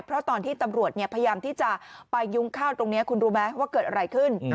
เพราะตอนที่ตำรวจพยายามที่จะไปยุ้งข้าวตรงนี้คุณรู้ไหมว่าเกิดอะไรขึ้น